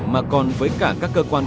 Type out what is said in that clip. mà còn với cả các cơ quan